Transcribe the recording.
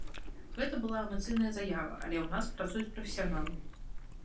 Гэта была эмацыйная заява, але ў нас працуюць прафесіяналы.